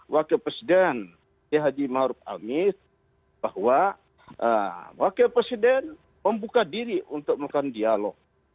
wakil presiden t h m bahwa wakil presiden membuka diri untuk melakukan dialog